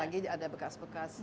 apalagi ada bekas bekas ini